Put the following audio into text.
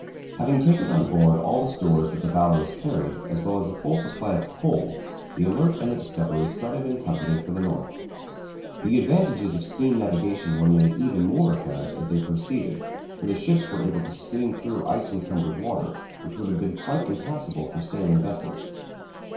Having taken on board all the stores that the Valorous carried, as well as a full supply of coal, the Alert and the Discovery started in company for the North. The advantages of steam navigation were made even more apparent as they proceeded, for the ships were able to steam through ice encumbered water which would have been quite impassable for sailing vessels.